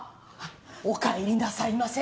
おかえりなさいませ。